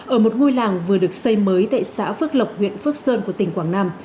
ở một ngôi làng vừa được xây mới tại xã phước lộc huyện phước sơn của tỉnh quảng nam